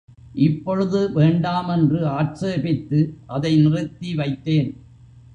இப்பொழுது வேண்டாம் என்று ஆட்சேபித்து அதை நிறுத்தி வைத்தேன்.